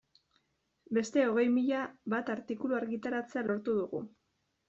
Beste hogei mila bat artikulu argitaratzea lortu dugu.